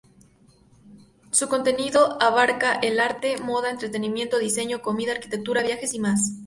Su contenido abarca el arte, moda, entretenimiento, diseño, comida, arquitectura, viajes y más.